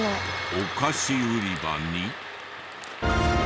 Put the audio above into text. お菓子売り場に。